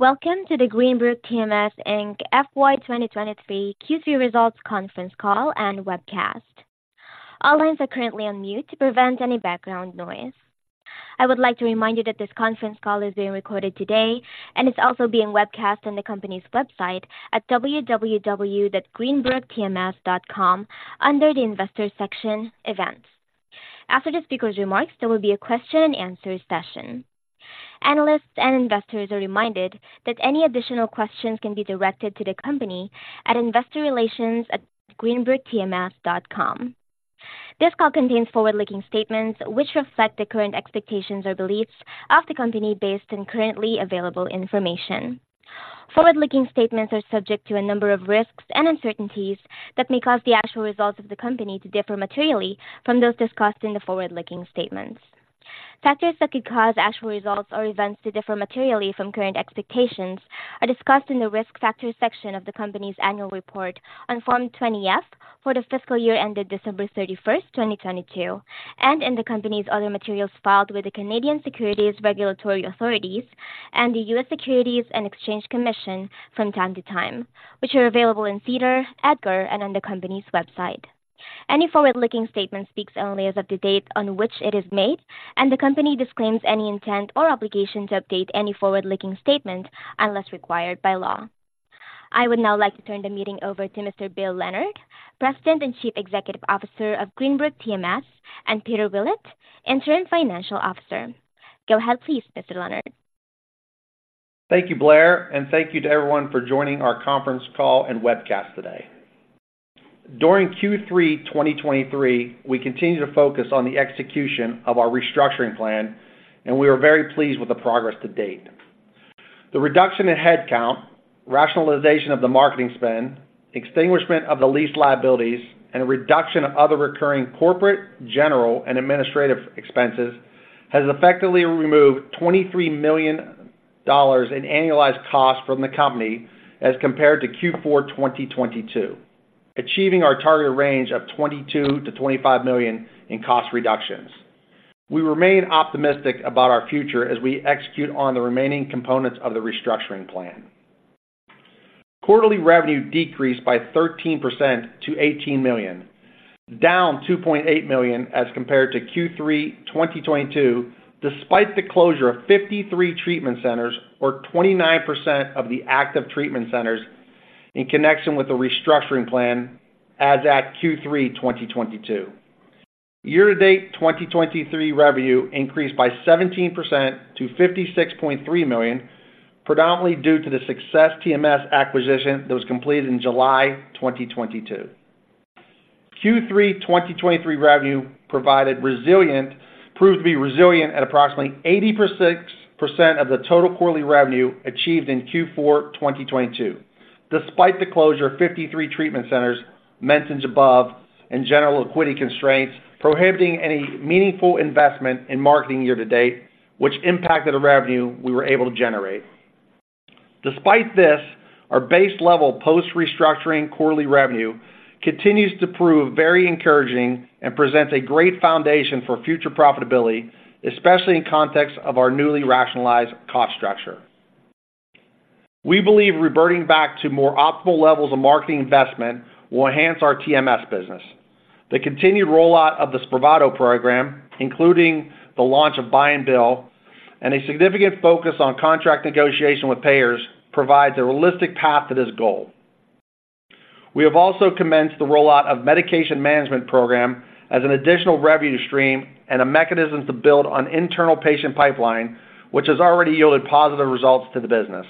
Welcome to the Greenbrook TMS Inc. FY 2023 Q3 Results Conference Call and Webcast. All lines are currently on mute to prevent any background noise. I would like to remind you that this conference call is being recorded today, and it's also being webcast on the company's website at www.greenbrooktms.com under the Investors section, Events. After the speaker's remarks, there will be a question and answer session. Analysts and investors are reminded that any additional questions can be directed to the company at investorrelations@greenbrooktms.com. This call contains forward-looking statements which reflect the current expectations or beliefs of the company based on currently available information. Forward-looking statements are subject to a number of risks and uncertainties that may cause the actual results of the company to differ materially from those discussed in the forward-looking statements. Factors that could cause actual results or events to differ materially from current expectations are discussed in the Risk Factors section of the company's annual report on Form 20-F for the fiscal year ended December 31st, 2022, and in the company's other materials filed with the Canadian Securities Regulatory Authorities and the U.S. Securities and Exchange Commission from time to time, which are available in SEDAR, EDGAR, and on the company's website. Any forward-looking statement speaks only as of the date on which it is made, and the company disclaims any intent or obligation to update any forward-looking statement unless required by law. I would now like to turn the meeting over to Mr. Bill Leonard, President and Chief Executive Officer of Greenbrook TMS, and Peter Willett, Interim Chief Financial Officer. Go ahead, please, Mr. Leonard. Thank you, Blair, and thank you to everyone for joining our conference call and webcast today. During Q3 2023, we continued to focus on the execution of our restructuring plan, and we are very pleased with the progress to date. The reduction in headcount, rationalization of the marketing spend, extinguishment of the lease liabilities, and a reduction of other recurring corporate, general, and administrative expenses has effectively removed $23 million in annualized costs from the company as compared to Q4 2022, achieving our target range of $22 million-$25 million in cost reductions. We remain optimistic about our future as we execute on the remaining components of the restructuring plan. Quarterly revenue decreased by 13% to $18 million, down $2.8 million as compared to Q3 2022, despite the closure of 53 treatment centers or 29% of the active treatment centers in connection with the restructuring plan as at Q3 2022. Year-to-date 2023 revenue increased by 17% to $56.3 million, predominantly due to the Success TMS acquisition that was completed in July 2022. Q3 2023 revenue proved to be resilient at approximately 80% of the total quarterly revenue achieved in Q4 2022, despite the closure of 53 treatment centers mentioned above and general liquidity constraints prohibiting any meaningful investment in marketing year to date, which impacted the revenue we were able to generate. Despite this, our base-level post-restructuring quarterly revenue continues to prove very encouraging and presents a great foundation for future profitability, especially in context of our newly rationalized cost structure. We believe reverting back to more optimal levels of marketing investment will enhance our TMS business. The continued rollout of the Spravato program, including the launch of Buy-and-Bill, and a significant focus on contract negotiation with payers, provides a realistic path to this goal. We have also commenced the rollout of medication management program as an additional revenue stream and a mechanism to build on internal patient pipeline, which has already yielded positive results to the business.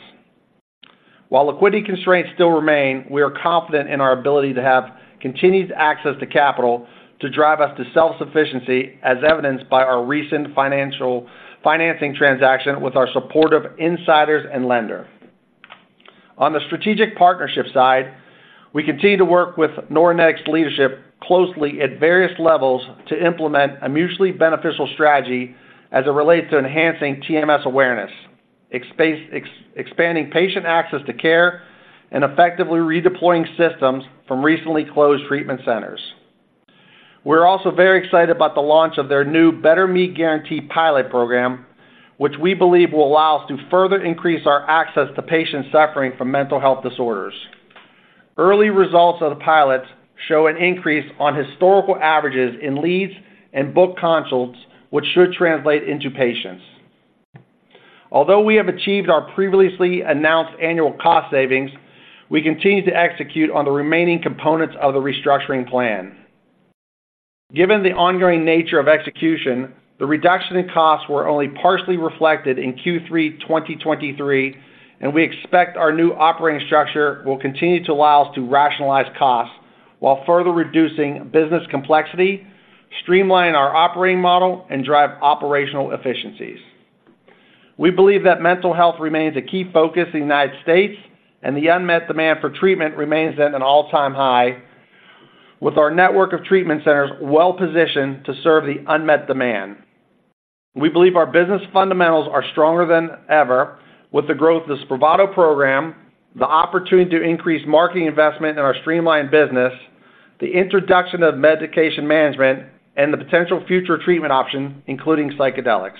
While liquidity constraints still remain, we are confident in our ability to have continued access to capital to drive us to self-sufficiency, as evidenced by our recent financing transaction with our supportive insiders and lender. On the strategic partnership side, we continue to work with Neuronetics leadership closely at various levels to implement a mutually beneficial strategy as it relates to enhancing TMS awareness, expanding patient access to care, and effectively redeploying systems from recently closed treatment centers. We're also very excited about the launch of their new Better Me Guarantee pilot program, which we believe will allow us to further increase our access to patients suffering from mental health disorders. Early results of the pilot show an increase on historical averages in leads and book consults, which should translate into patients. Although we have achieved our previously announced annual cost savings, we continue to execute on the remaining components of the restructuring plan. Given the ongoing nature of execution, the reduction in costs were only partially reflected in Q3 2023, and we expect our new operating structure will continue to allow us to rationalize costs while further reducing business complexity, streamline our operating model, and drive operational efficiencies. We believe that mental health remains a key focus in the United States, and the unmet demand for treatment remains at an all-time high, with our network of treatment centers well positioned to serve the unmet demand. We believe our business fundamentals are stronger than ever with the growth of the Spravato program, the opportunity to increase marketing investment in our streamlined business, the introduction of medication management, and the potential future treatment options, including psychedelics.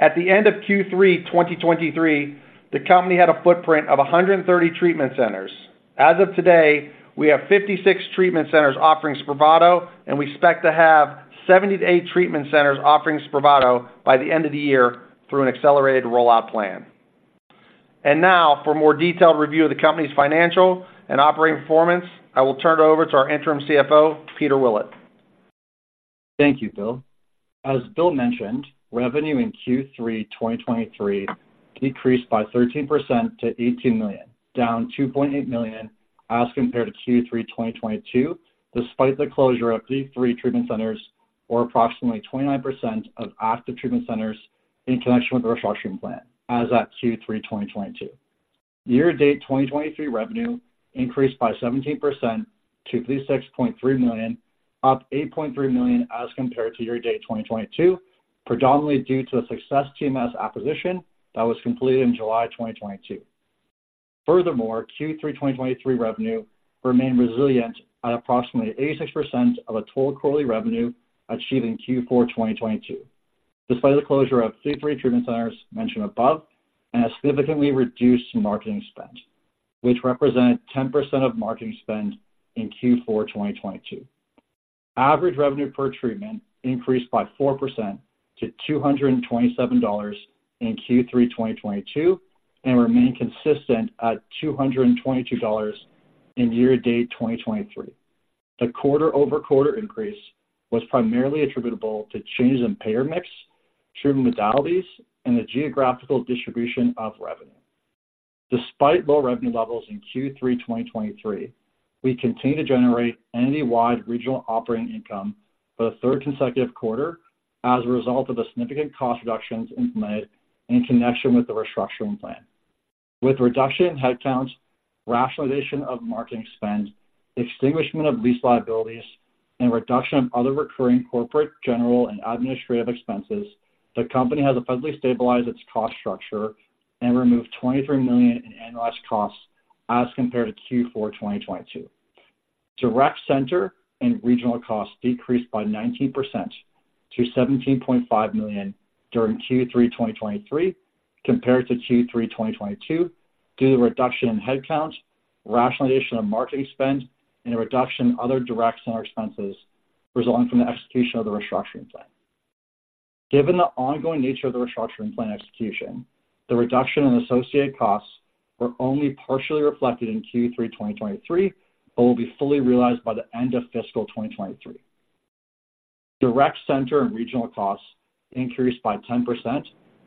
At the end of Q3 2023, the company had a footprint of 130 treatment centers. As of today, we have 56 treatment centers offering Spravato, and we expect to have 78 treatment centers offering Spravato by the end of the year through an accelerated rollout plan. Now, for a more detailed review of the company's financial and operating performance, I will turn it over to our Interim CFO, Peter Willett. Thank you, Bill. As Bill mentioned, revenue in Q3 2023 decreased by 13% to $18 million, down $2.8 million as compared to Q3 2022, despite the closure of 3 treatment centers, or approximately 29% of active treatment centers in connection with the restructuring plan as at Q3 2022. Year-to-date 2023 revenue increased by 17% to $36.3 million, up $8.3 million as compared to year-to-date 2022, predominantly due to the Success TMS acquisition that was completed in July 2022. Furthermore, Q3 2023 revenue remained resilient at approximately 86% of the total quarterly revenue achieved in Q4 2022, despite the closure of 3 treatment centers mentioned above and a significantly reduced marketing spend, which represented 10% of marketing spend in Q4 2022. Average revenue per treatment increased by 4% to $227 in Q3 2022 and remained consistent at $222 in year-to-date 2023. The quarter-over-quarter increase was primarily attributable to changes in payer mix, treatment modalities, and the geographical distribution of revenue. Despite low revenue levels in Q3 2023, we continued to generate entity-wide regional operating income for the third consecutive quarter as a result of the significant cost reductions implemented in connection with the restructuring plan. With reduction in headcount, rationalization of marketing spend, extinguishment of lease liabilities, and reduction of other recurring corporate, general, and administrative expenses, the company has effectively stabilized its cost structure and removed $23 million in annualized costs as compared to Q4 2022. Direct center and regional costs decreased by 19% to $17.5 million during Q3 2023 compared to Q3 2022, due to the reduction in headcount, rationalization of marketing spend, and a reduction in other direct center expenses resulting from the execution of the restructuring plan. Given the ongoing nature of the restructuring plan execution, the reduction in associated costs were only partially reflected in Q3 2023 but will be fully realized by the end of fiscal 2023. Direct center and regional costs increased by 10%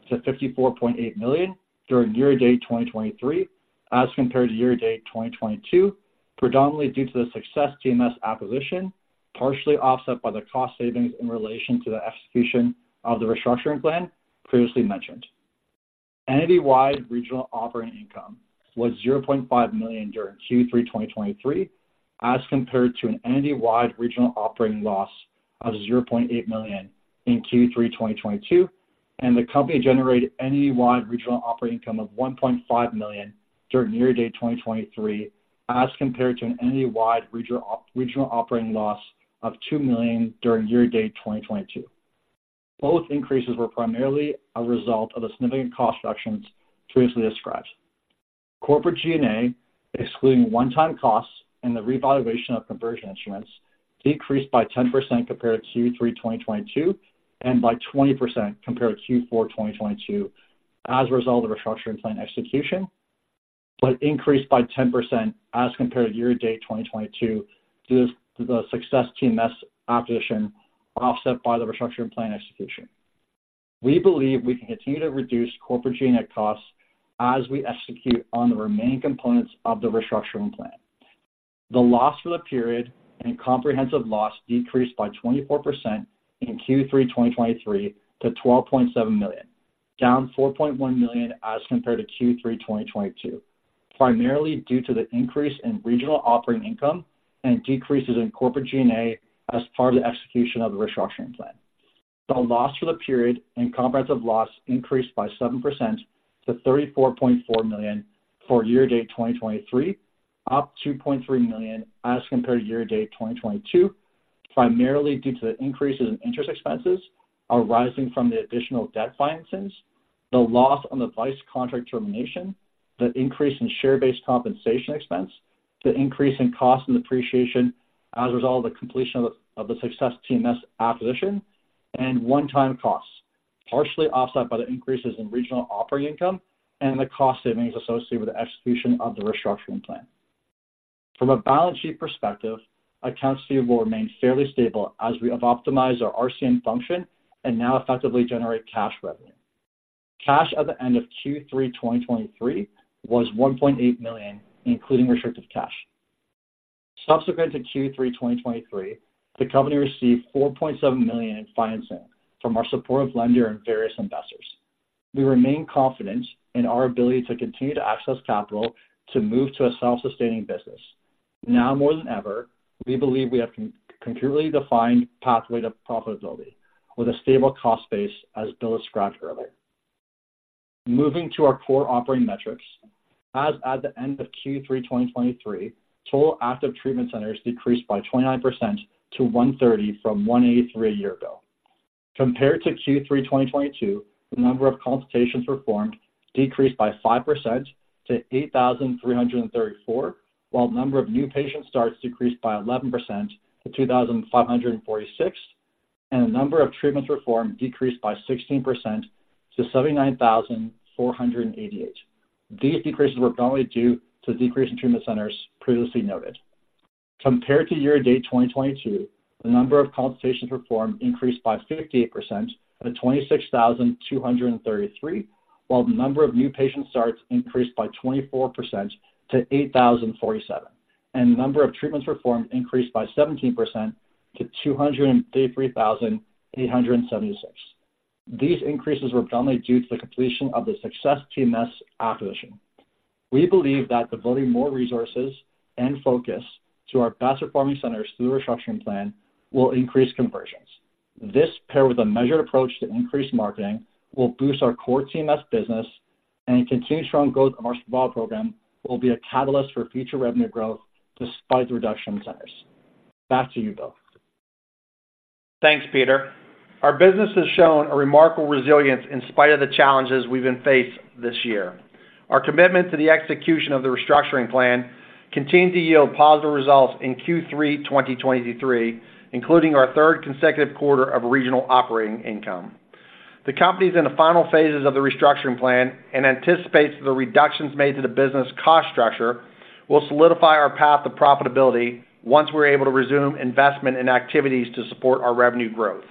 to $54.8 million during year-to-date 2023, as compared to year-to-date 2022, predominantly due to the Success TMS acquisition, partially offset by the cost savings in relation to the execution of the restructuring plan previously mentioned. Entity-wide regional operating income was $0.5 million during Q3 2023, as compared to an entity-wide regional operating loss of $0.8 million in Q3 2022, and the company generated entity-wide regional operating income of $1.5 million during year-to-date 2023, as compared to an entity-wide regional operating loss of $2 million during year-to-date 2022. Both increases were primarily a result of the significant cost reductions previously described. Corporate G&A, excluding one-time costs and the revaluation of conversion instruments, decreased by 10% compared to Q3 2022 and by 20% compared to Q4 2022 as a result of the restructuring plan execution, but increased by 10% as compared to year-to-date 2022 due to the Success TMS acquisition, offset by the restructuring plan execution. We believe we can continue to reduce corporate G&A costs as we execute on the remaining components of the restructuring plan. The loss for the period and comprehensive loss decreased by 24% in Q3 2023 to $12.7 million, down $4.1 million as compared to Q3 2022, primarily due to the increase in regional operating income and decreases in corporate G&A as part of the execution of the restructuring plan. The loss for the period and comprehensive loss increased by 7% to $34.4 million for year-to-date 2023, up $2.3 million as compared to year-to-date 2022, primarily due to the increases in interest expenses arising from the additional debt financings, the loss on the Weiss contract termination, the increase in share-based compensation expense, the increase in cost and depreciation as a result of the completion of the Success TMS acquisition, and one-time costs, partially offset by the increases in regional operating income and the cost savings associated with the execution of the restructuring plan. From a balance sheet perspective, accounts receivable remained fairly stable as we have optimized our RCM function and now effectively generate cash revenue. Cash at the end of Q3 2023 was $1.8 million, including restricted cash. Subsequent to Q3 2023, the company received $4.7 million in financing from our supportive lender and various investors. We remain confident in our ability to continue to access capital to move to a self-sustaining business. Now more than ever, we believe we have a completely defined pathway to profitability with a stable cost base, as Bill described earlier. Moving to our core operating metrics. As at the end of Q3 2023, total active treatment centers decreased by 29% to 130 from 183 a year ago. Compared to Q3 2022, the number of consultations performed decreased by 5% to 8,334, while the number of new patient starts decreased by 11% to 2,546, and the number of treatments performed decreased by 16% to 79,488. These decreases were primarily due to the decrease in treatment centers previously noted. Compared to year to date 2022, the number of consultations performed increased by 58% to 26,233, while the number of new patient starts increased by 24% to 8,047, and the number of treatments performed increased by 17% to 233,876. These increases were primarily due to the completion of the Success TMS acquisition. We believe that devoting more resources and focus to our best performing centers through the restructuring plan will increase conversions. This, paired with a measured approach to increased marketing, will boost our core TMS business, and the continued strong growth of our Spravato program will be a catalyst for future revenue growth despite the reduction in centers. Back to you, Bill. Thanks, Peter. Our business has shown a remarkable resilience in spite of the challenges we've been faced this year. Our commitment to the execution of the restructuring plan continued to yield positive results in Q3 2023, including our third consecutive quarter of regional operating income. The company's in the final phases of the restructuring plan and anticipates the reductions made to the business cost structure will solidify our path to profitability once we're able to resume investment in activities to support our revenue growth.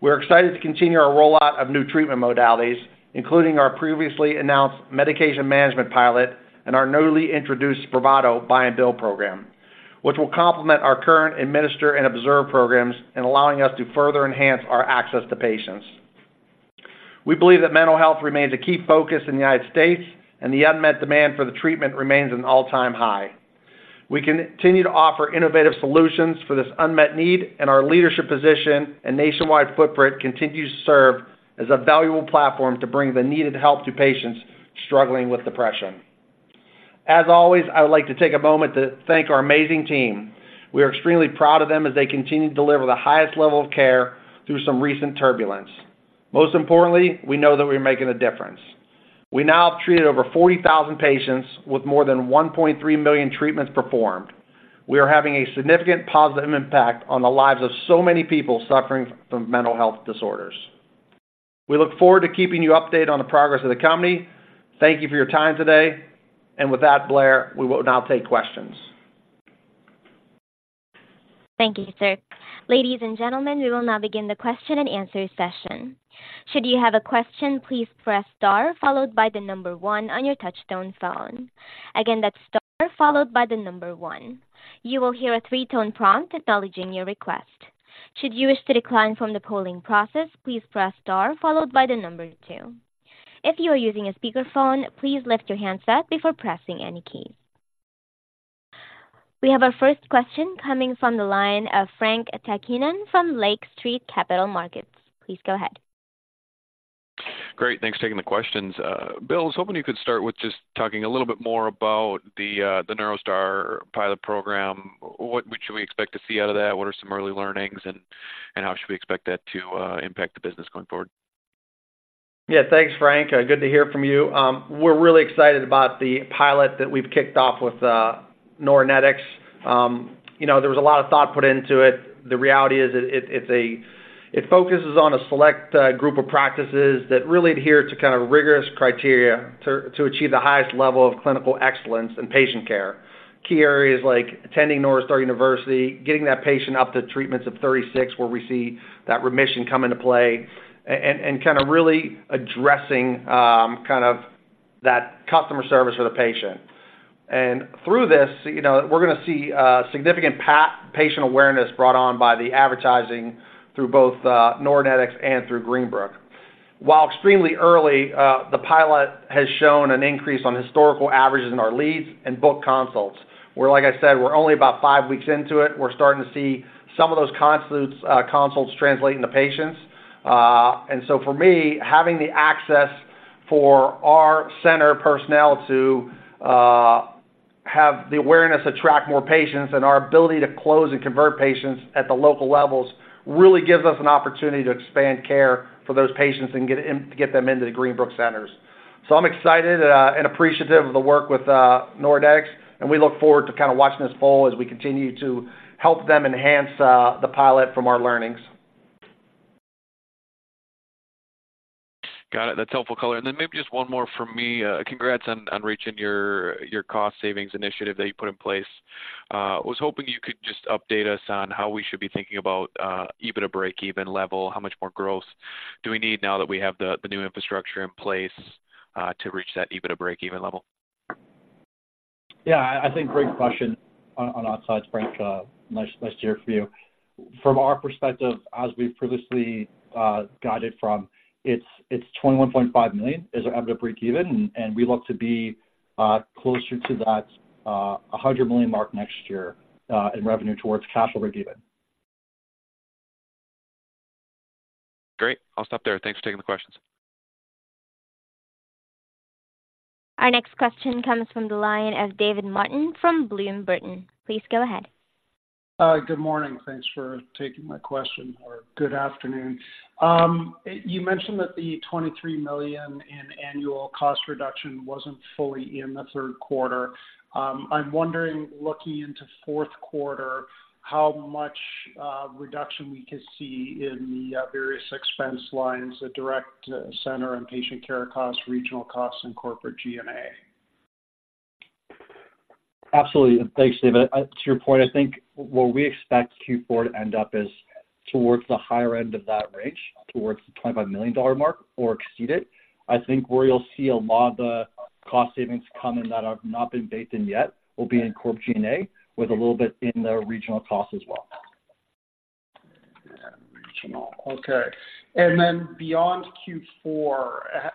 We're excited to continue our rollout of new treatment modalities, including our previously announced medication management pilot and our newly introduced Spravato Buy-and-Bill program, which will complement our current Administer and Observe programs in allowing us to further enhance our access to patients. We believe that mental health remains a key focus in the United States, and the unmet demand for the treatment remains at an all-time high. We continue to offer innovative solutions for this unmet need, and our leadership position and nationwide footprint continues to serve as a valuable platform to bring the needed help to patients struggling with depression. As always, I would like to take a moment to thank our amazing team. We are extremely proud of them as they continue to deliver the highest level of care through some recent turbulence. Most importantly, we know that we're making a difference. We now have treated over 40,000 patients with more than 1.3 million treatments performed. We are having a significant positive impact on the lives of so many people suffering from mental health disorders. We look forward to keeping you updated on the progress of the company. Thank you for your time today, and with that, Blair, we will now take questions. Thank you, sir. Ladies and gentlemen, we will now begin the question and answer session. Should you have a question, please press star followed by the number one on your touchtone phone. Again, that's star followed by the number one. You will hear a three-tone prompt acknowledging your request. Should you wish to decline from the polling process, please press star followed by the number two. If you are using a speakerphone, please lift your handset before pressing any keys. We have our first question coming from the line of Frank Takkinen from Lake Street Capital Markets. Please go ahead. Great, thanks for taking the questions. Bill, I was hoping you could start with just talking a little bit more about the NeuroStar pilot program. What should we expect to see out of that? What are some early learnings, and how should we expect that to impact the business going forward? Yeah, thanks, Frank. Good to hear from you. We're really excited about the pilot that we've kicked off with Neuronetics. You know, there was a lot of thought put into it. The reality is that it, it's a-- It focuses on a select group of practices that really adhere to kind of rigorous criteria to achieve the highest level of clinical excellence in patient care. Key areas like attending NeuroStar University, getting that patient up to treatments of 36, where we see that remission come into play, and kind of really addressing kind of that customer service for the patient. And through this, you know, we're gonna see significant patient awareness brought on by the advertising through both Neuronetics and through Greenbrook. While extremely early, the pilot has shown an increase on historical averages in our leads and book consults, where, like I said, we're only about five weeks into it. We're starting to see some of those consults translating to patients. And so for me, having the access for our center personnel to have the awareness, attract more patients, and our ability to close and convert patients at the local levels, really gives us an opportunity to expand care for those patients and get them into the Greenbrook centers. So I'm excited and appreciative of the work with Neuronetics, and we look forward to kind of watching this evolve as we continue to help them enhance the pilot from our learnings. Got it. That's helpful color. And then maybe just one more from me. Congrats on reaching your cost savings initiative that you put in place. I was hoping you could just update us on how we should be thinking about EBITDA break-even level. How much more growth do we need now that we have the new infrastructure in place to reach that EBITDA break-even level? Yeah, I think great question on, on our sides, Frank. Nice, nice to hear from you. From our perspective, as we've previously guided from, it's, it's $21.5 million is our EBITDA break even, and, and we look to be closer to that, a $100 million mark next year, in revenue towards cash break even.... Great. I'll stop there. Thanks for taking the questions. Our next question comes from the line of David Martin from Bloom Burton. Please go ahead. Good morning. Thanks for taking my question, or good afternoon. You mentioned that the $23 million in annual cost reduction wasn't fully in the third quarter. I'm wondering, looking into fourth quarter, how much reduction we could see in the various expense lines, the direct center and patient care costs, regional costs, and corporate G&A? Absolutely. Thanks, David. To your point, I think where we expect Q4 to end up is towards the higher end of that range, towards the $25 million mark or exceed it. I think where you'll see a lot of the cost savings come in that have not been baked in yet will be in corporate G&A, with a little bit in the regional cost as well. Yeah, regional. Okay. And then beyond Q4,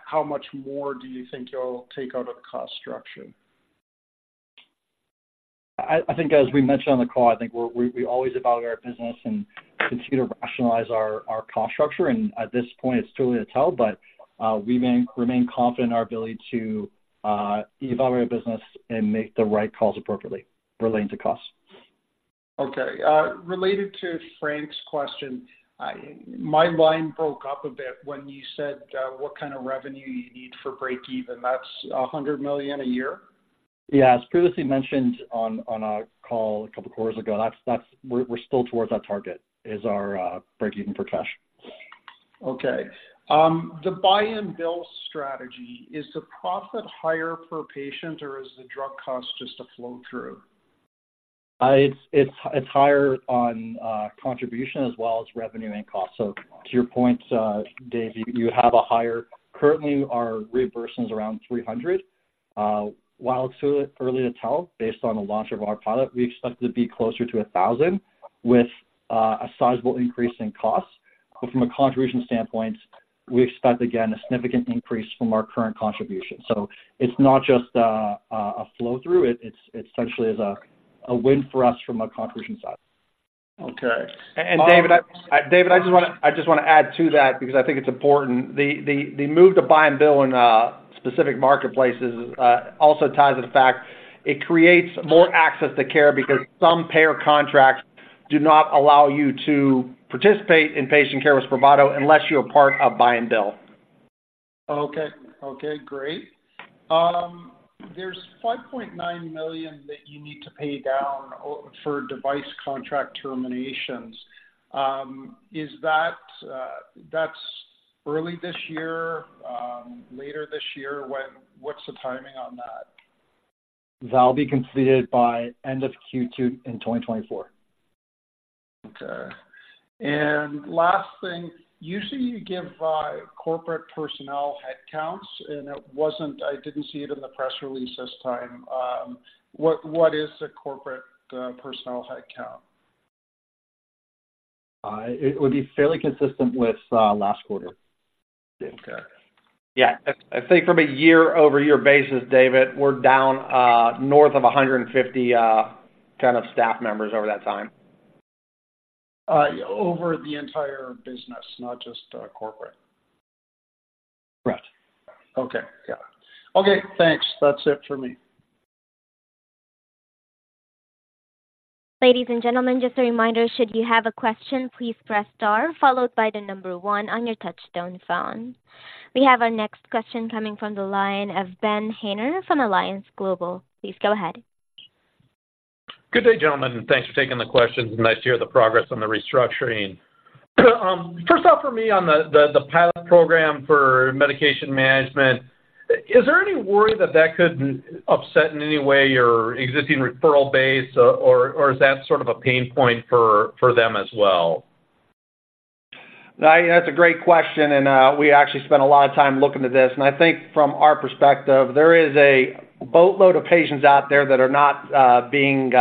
how much more do you think you'll take out of the cost structure? I think as we mentioned on the call, I think we always evaluate our business and continue to rationalize our cost structure, and at this point, it's too early to tell, but we remain confident in our ability to evaluate our business and make the right calls appropriately relating to cost. Okay. Related to Frank's question, my line broke up a bit when you said what kind of revenue you need for breakeven. That's $100 million a year? Yeah, as previously mentioned on our call a couple of quarters ago, that's, we're still towards that target, our breakeven for cash. Okay. The Buy-and-Bill strategy, is the profit higher per patient, or is the drug cost just a flow-through? It's higher on contribution as well as revenue and cost. So to your point, David, you have a higher—currently, our reimbursement is around $300. While it's too early to tell, based on the launch of our pilot, we expect it to be closer to $1,000, with a sizable increase in costs. But from a contribution standpoint, we expect, again, a significant increase from our current contribution. So it's not just a flow-through, it's essentially a win for us from a contribution side. Okay. David, I just wanna add to that because I think it's important. The move to Buy-and-Bill in specific marketplaces also ties to the fact it creates more access to care because some payer contracts do not allow you to participate in patient care with Spravato unless you're a part of Buy-and-Bill. Okay. Okay, great. There's $5.9 million that you need to pay down for device contract terminations. Is that, that's early this year, later this year? What's the timing on that? That'll be completed by end of Q2 in 2024. Okay. And last thing, usually you give corporate personnel headcounts, and it wasn't. I didn't see it in the press release this time. What, what is the corporate personnel headcount? It would be fairly consistent with last quarter. Okay. Yeah. I think from a year-over-year basis, David, we're down north of 150 kind of staff members over that time. Over the entire business, not just corporate? Correct. Okay, yeah. Okay, thanks. That's it for me. Ladies and gentlemen, just a reminder, should you have a question, please press star, followed by the number one on your touch-tone phone. We have our next question coming from the line of Ben Haynor from Alliance Global. Please go ahead. Good day, gentlemen. Thanks for taking the questions. Nice to hear the progress on the restructuring. First off, for me, on the pilot program for medication management, is there any worry that that could upset in any way your existing referral base, or is that sort of a pain point for them as well? That's a great question, and, we actually spent a lot of time looking at this. And I think from our perspective, there is a boatload of patients out there that are not being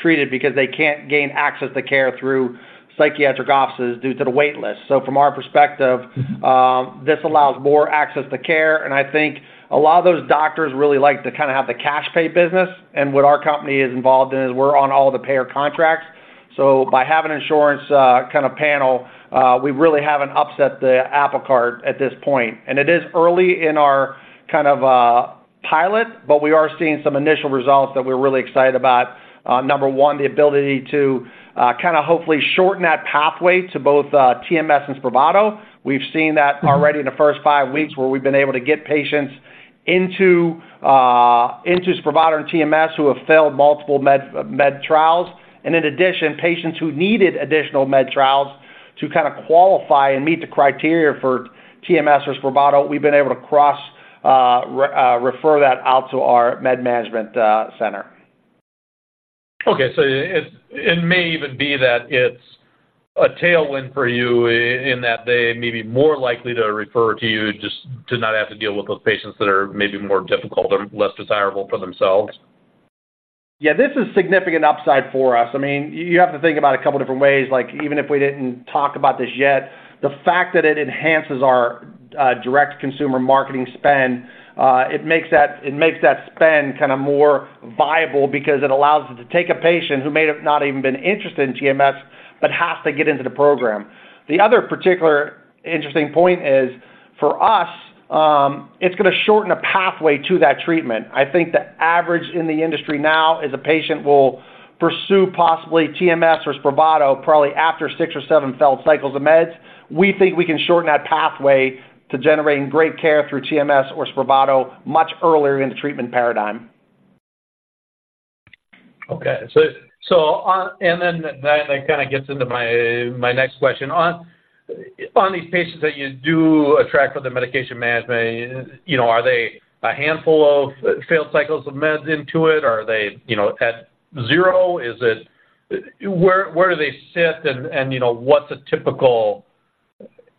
treated because they can't gain access to care through psychiatric offices due to the wait list. So from our perspective, this allows more access to care, and I think a lot of those doctors really like to kinda have the cash pay business. And what our company is involved in is we're on all the payer contracts, so by having insurance kind of panel, we really haven't upset the apple cart at this point. And it is early in our kind of pilot, but we are seeing some initial results that we're really excited about. Number one, the ability to kinda hopefully shorten that pathway to both TMS and Spravato. We've seen that already in the first five weeks, where we've been able to get patients into Spravato and TMS who have failed multiple med trials. In addition, patients who needed additional med trials to kinda qualify and meet the criteria for TMS or Spravato, we've been able to cross refer that out to our med management center. Okay. So it may even be that it's a tailwind for you in that they may be more likely to refer to you just to not have to deal with those patients that are maybe more difficult or less desirable for themselves. Yeah, this is a significant upside for us. I mean, you have to think about a couple different ways. Like, even if we didn't talk about this yet, the fact that it enhances our direct consumer marketing spend, it makes that spend kind of more viable because it allows us to take a patient who may have not even been interested in TMS, but has to get into the program. The other particular interesting point is, for us, it's gonna shorten a pathway to that treatment. I think the average in the industry now is a patient will pursue possibly TMS or Spravato, probably after six or seven failed cycles of meds. We think we can shorten that pathway to generating great care through TMS or Spravato much earlier in the treatment paradigm. Okay. So on and then that kind of gets into my next question. On these patients that you do attract for the medication management, you know, are they a handful of failed cycles of meds into it, or are they, you know, at zero? Where do they sit and, you know, what's a typical,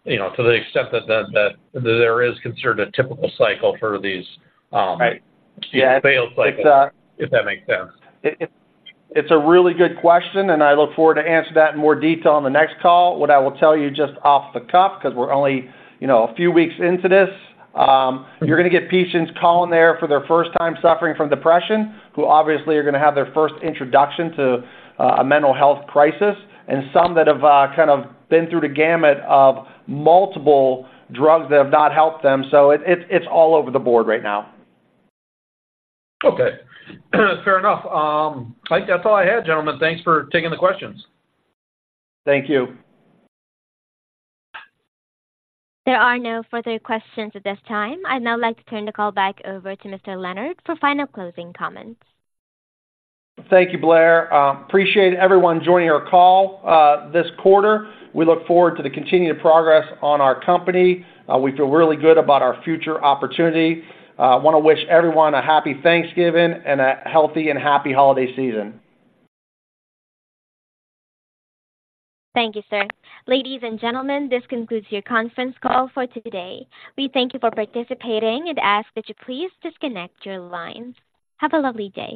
you know, to the extent that there is considered a typical cycle for these? Right. Failed cycles, if that makes sense. It's a really good question, and I look forward to answer that in more detail on the next call. What I will tell you just off the cuff, 'cause we're only, you know, a few weeks into this, you're gonna get patients calling there for their first time suffering from depression, who obviously are gonna have their first introduction to, a mental health crisis, and some that have, kind of been through the gamut of multiple drugs that have not helped them. So it's all over the board right now. Okay. Fair enough. I think that's all I had, gentlemen. Thanks for taking the questions. Thank you. There are no further questions at this time. I'd now like to turn the call back over to Mr. Leonard for final closing comments. Thank you, Blair. Appreciate everyone joining our call this quarter. We look forward to the continued progress on our company. We feel really good about our future opportunity. Wanna wish everyone a happy Thanksgiving and a healthy and happy holiday season. Thank you, sir. Ladies and gentlemen, this concludes your conference call for today. We thank you for participating and ask that you please disconnect your lines. Have a lovely day.